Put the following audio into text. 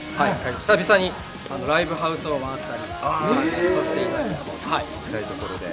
久々にライブハウスを回ったりさせていただくんですけれども。